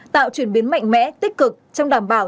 tạo chuyển biến mạnh mẽ tích cực trong đảm bảo